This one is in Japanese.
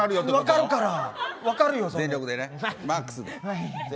分かるから。